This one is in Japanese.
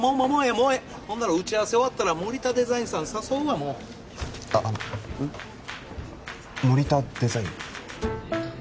もうええほんなら打ち合わせ終わったら森田デザインさん誘うわもうあっあの森田デザイン？